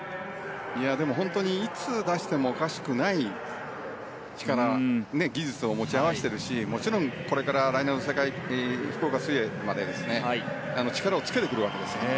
本当にいつ出してもおかしくない力、技術を持ち合わせているしもちろん、これから来年の福岡水泳までに力をつけてくるわけですからね。